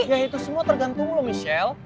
ya itu semua tergantung loh michelle